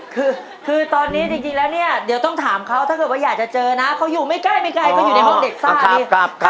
คือตอนนี้จริงแล้วเนี่ยเดี๋ยวต้องถามเขาถ้าเกิดว่าอยากจะเจอนะเขาอยู่ไม่ใกล้ไม่ไกลก็อยู่ในห้องเด็กซ่านี้